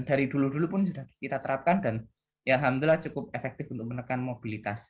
dari dulu dulu pun sudah kita terapkan dan ya alhamdulillah cukup efektif untuk menekan mobilitas